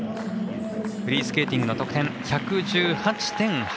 フリースケーティングの得点１１８．８６。